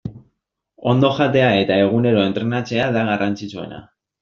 Ondo jatea eta egunero entrenatzea da garrantzitsuena.